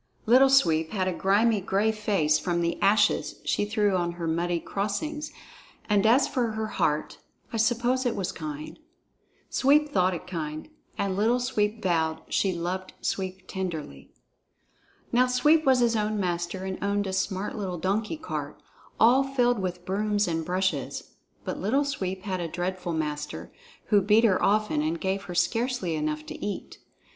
Little Sweep had a grimy, gray face from the ashes she threw on her muddy crossings, and as for her heart, I suppose it was kind. Sweep thought it kind, and Little Sweep vowed she loved Sweep tenderly. Now Sweep was his own master and owned a smart little donkey cart, all filled with brooms and brushes; but Little Sweep had a dreadful master, who beat her often and gave her scarcely enough to eat.